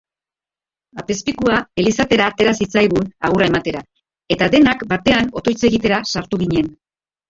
Apezpikua elizatera atera zitzaigun agurra ematera eta denak batean otoitz egitera sartu ginen.